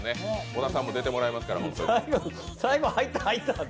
小田さんも出てもらいますから、本当。